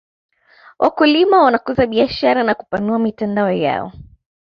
wakulima wanakuza biashara na kupanua mitandao yao